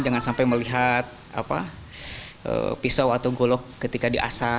jangan sampai melihat pisau atau golok ketika di asa